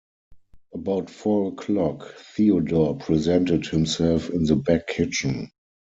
About four o'clock Theodore presented himself in the back kitchen.